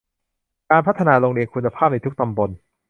การพัฒนาโรงเรียนคุณภาพในทุกตำบล